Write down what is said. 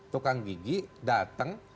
tukang gigi dateng